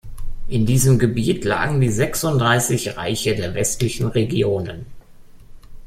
In diesem Gebiet lagen die Sechsunddreißig Reiche der Westlichen Regionen.